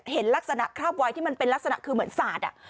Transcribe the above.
เห็นลักษณะคราบวายที่มันเป็นลักษณะคือเหมือนสาด